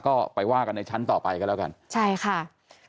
ก็ไปว่ากันในชั้นต่อไปก็แล้วกันใช่ค่ะ